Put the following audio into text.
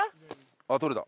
あっとれた。